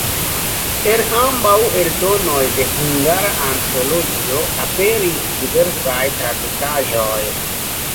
En ambaŭ eldonoj de Hungara Antologio aperis diversaj tradukaĵoj.